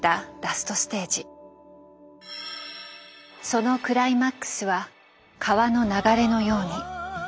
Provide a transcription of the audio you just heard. そのクライマックスは「川の流れのように」。